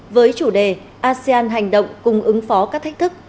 với chủ đề asean hành động cùng ứng phó các thách thức